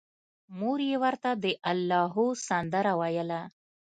مور یې ورته د اللاهو سندره ویله